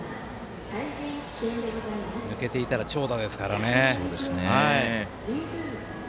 抜けていたら長打ですからね。